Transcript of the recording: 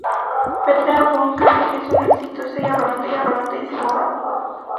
Petra von Kant es una exitosa y arrogante diseñadora de moda.